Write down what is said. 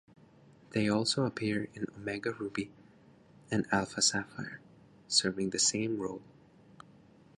They also appear in "Omega Ruby" and "Alpha Sapphire", serving the same role.